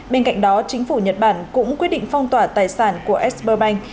bên cạnh đó chính phủ nhật bản cũng quyết định phong tỏa tài sản của exper bank